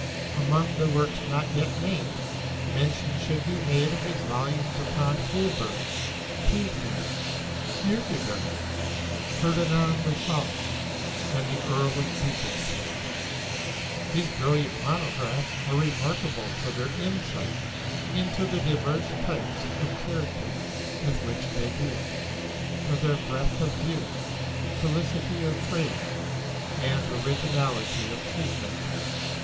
Among the works not yet named, mention should be made of his volumes upon Holberg, Tegnér, Kierkegaard, Ferdinand Lassalle, and the Earl of Beaconsfield. These brilliant monographs are remarkable for their insight into the diverse types of character with which they deal, for their breadth of view, felicity of phrase, and originality of treatment.